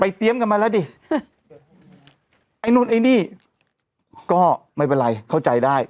เตรียมกันมาแล้วดิไอ้นู่นไอ้นี่ก็ไม่เป็นไรเข้าใจได้